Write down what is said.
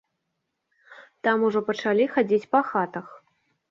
Там ўжо пачалі хадзіць па хатах.